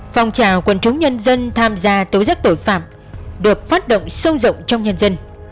phòng trào quân chúng nhân dân tham gia tối giấc tội phạm được phát động sâu rộng trong nhân dân